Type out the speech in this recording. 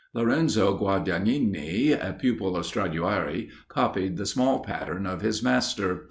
Lorenzo Guadagnini, a pupil of Stradiuari, copied the small pattern of his master.